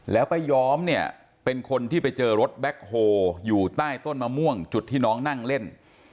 แล้วป้าย้อมเนี่ยเป็นคนที่ไปเจอรถแบ็คโฮอยู่ใต้ต้นมะม่วงจุดที่น้องนั่งเล่น